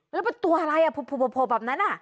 แล้วมันตัวอะไรภูแบบนั้น